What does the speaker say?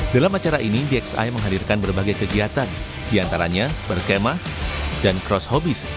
dalam acara ini dxi menghadirkan berbagai kegiatan diantaranya berkemah dan cross hobis